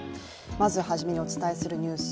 まず始めにお伝えするニュース